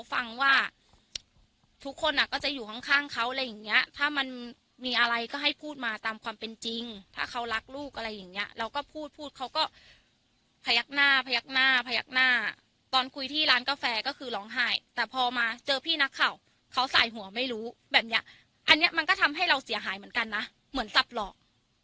เขารักลูกอะไรอย่างเงี้ยเราก็พูดพูดเขาก็พยักหน้าพยักหน้าพยักหน้าตอนคุยที่ร้านกาแฟก็คือหลองหายแต่พอมาเจอพี่นักข่าวเขาใส่หัวไม่รู้แบบเงี้ยอันเนี้ยมันก็ทำให้เราเสียหายเหมือนกันนะเหมือนทรัพย์หลอก